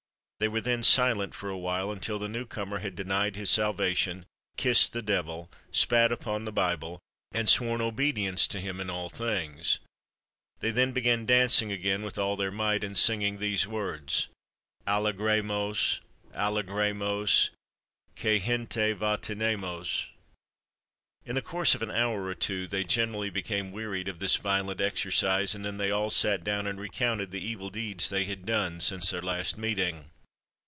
They were then silent for a while, until the new comer had denied his salvation, kissed the devil, spat upon the Bible, and sworn obedience to him in all things. They then began dancing again with all their might, and singing these words, "Alegremos, Alegremos! Que gente va tenemos!" In the course of an hour or two they generally became wearied of this violent exercise, and then they all sat down and recounted the evil deeds they had done since their last meeting.